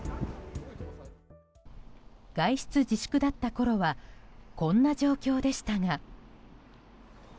外出自粛だったころはこんな状況でしたが。